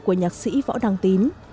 của nhạc sĩ võ đăng tín